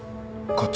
こっち？